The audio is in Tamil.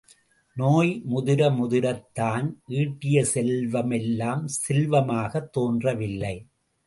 நோய் முதிர முதிரத் தான் ஈட்டிய செல்வ மெல்லாம் செல்வமாகத் தோன்ற வில்லை.